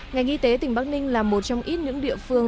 ngành y tế tỉnh bắc ninh là một trong ít những địa phương